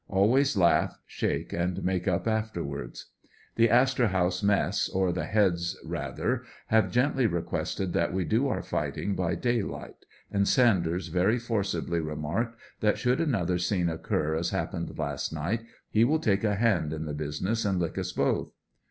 Always laugh, shake and make up afterwards. The "Astor House Mess," or the heads rather, have gently requested that we do our fighting by day light, and Sanders very forcibly remarked that should another scene occur as happened last night, he will take a hand in the busi ness and lick us both.